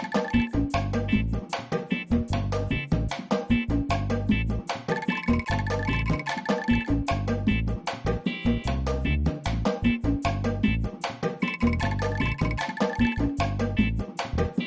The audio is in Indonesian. sampai jumpa di video selanjutnya